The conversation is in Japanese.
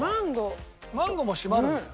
マンゴーも締まるんだよ。